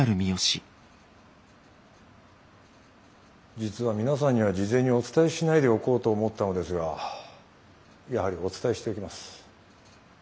実は皆さんには事前にお伝えしないでおこうと思ったのですがやはりお伝えしておきます。